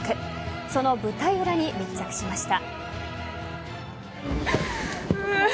その舞台裏に密着しました。